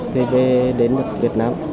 thì về đến việt nam